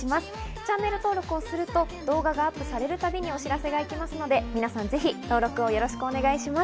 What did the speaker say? チャンネル登録をすると動画がアップされるたびにお知らせが行きますので皆さん、ぜひ登録をお願いします。